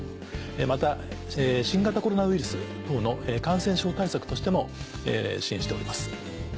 また新型コロナウイルス等の感染症対策としても支援しております。